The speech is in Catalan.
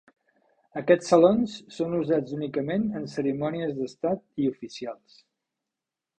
Aquests salons són usats únicament en cerimònies d'estat i oficials.